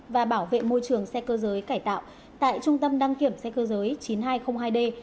và bảo vệ môi trường xe cơ giới cải tạo tại trung tâm đăng kiểm xe cơ giới chín nghìn hai trăm linh hai d